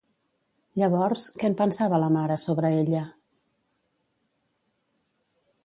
Llavors, què en pensava la mare sobre ella?